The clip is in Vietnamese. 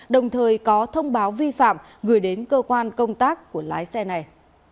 đồng thời có thông báo vi phạm gửi đến cơ quan công tác của lái xe này